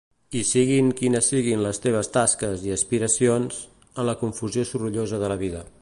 I siguin quines siguin les teves tasques i aspiracions, en la confusió sorollosa de la vida